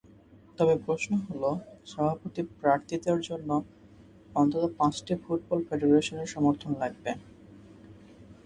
তবে প্রশ্ন হলো, সভাপতি প্রার্থিতার জন্য অন্তত পাঁচটি ফুটবল ফেডারেশনের সমর্থন লাগবে।